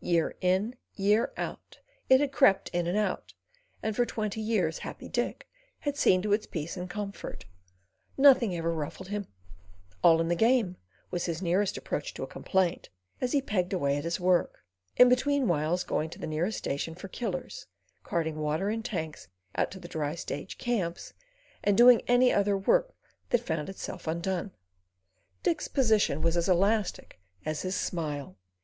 Year in, year out, it had crept in and out, and for twenty years Happy Dick had seen to its peace and comfort. Nothing ever ruffled him. "All in the game" was his nearest approach to a complaint, as he pegged away at his work, in between whiles going to the nearest station for killers, carting water in tanks out to "dry stage camps," and doing any other work that found itself undone. Dick's position was as elastic as his smile.